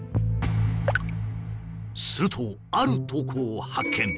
するとある投稿を発見。